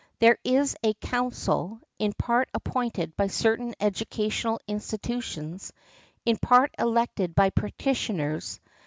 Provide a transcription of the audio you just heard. There is a "Council," in part appointed by certain educational institutions, in part elected by practitioners.